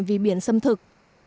vì biển xâm thực